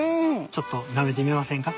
ちょっとなめてみませんか？